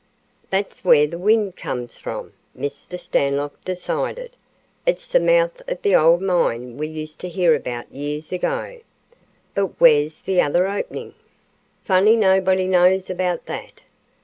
"That's where the wind comes from," Mr. Stanlock decided. "It's the mouth of the old mine we used to hear about years ago. But where's the other opening? Funny nobody knows about that.